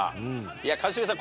いや一茂さん